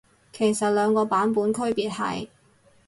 其實兩個版本區別係？